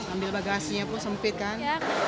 ambil bagasinya pun sempit kan